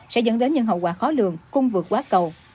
sẽ dẫn đến những hậu quả khó lường cung vượt quá cầu